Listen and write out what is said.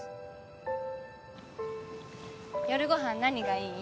夜ご飯何がいい？